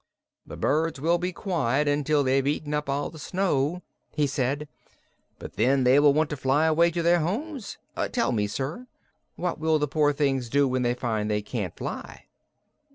"The birds will be quiet until they've eaten up all the snow," he said, "but then they will want to fly away to their homes. Tell me, sir, what will the poor things do when they find they can't fly?"